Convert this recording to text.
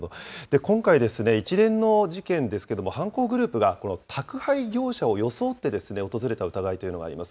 今回、一連の事件ですけれども、犯行グループが宅配業者を装って訪れた疑いというのがあります。